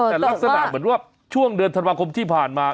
แต่ลักษณะเหมือนว่าช่วงเดือนธันวาคมที่ผ่านมา